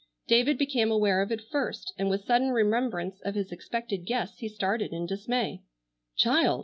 David became aware of it first, and with sudden remembrance of his expected guests he started in dismay. "Child!"